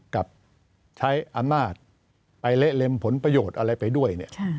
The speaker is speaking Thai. กับใช้อำนาจไปเละเล็มผลประโยชน์อะไรไปด้วยเนี่ย